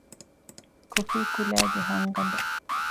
ކޮފީކުލައިގެ ހަންގަނޑެއް